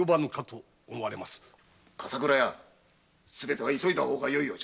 笠倉屋すべては急いだ方がよいようだ。